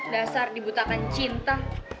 dasar dibutakan cinta